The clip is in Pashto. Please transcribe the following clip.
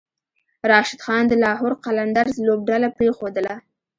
راشد خان د لاهور قلندرز لوبډله پریښودله